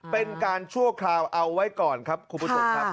เป็นการชั่วคราวเอาไว้ก่อนครับคุณผู้ชมครับ